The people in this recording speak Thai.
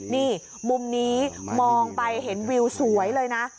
นี่มุมนี้มองไปเห็นวิวสวยเลยนะ